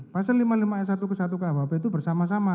pasal lima puluh lima s satu ke satu kuhp itu bersama sama